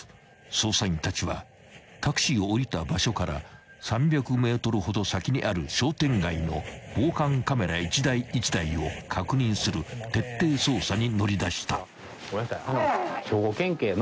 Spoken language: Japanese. ［捜査員たちはタクシーを降りた場所から３００ｍほど先にある商店街の防犯カメラ一台一台を確認する徹底捜査に乗り出した］